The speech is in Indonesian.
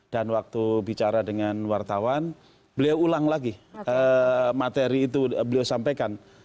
dan waktu bicara dengan wartawan beliau ulang lagi materi itu beliau sampaikan